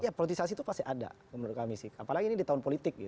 ya politisasi itu pasti ada menurut kami sih apalagi ini di tahun politik